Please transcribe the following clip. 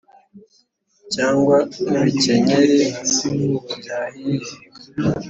cyangwa nk’ibikenyeri byahiye,